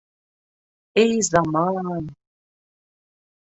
Эй зама-ан...